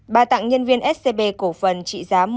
bà tặng nhân viên scb cổ phần trị giá một triệu